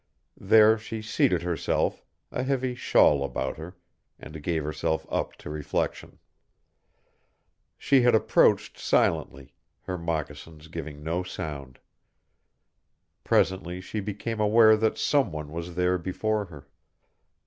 There she seated herself, a heavy shawl about her, and gave herself up to reflection. She had approached silently, her moccasins giving no sound. Presently she became aware that someone was there before her.